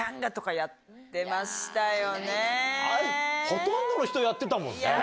ほとんどの人やってたもんね